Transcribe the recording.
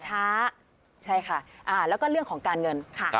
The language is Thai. ช้าใช่ค่ะแล้วก็เรื่องของการเงินค่ะ